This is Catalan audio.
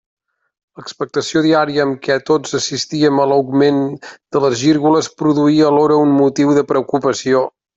L'expectació diària amb què tots assistíem a l'augment de les gírgoles produïa alhora un motiu de preocupació.